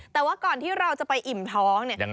แต่ว่าก่อนที่เราจะไปอิ่มท้องเนี่ย